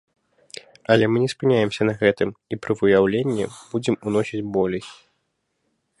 Але мы не спыняемся на гэтым, і пры выяўленні будзем уносіць болей.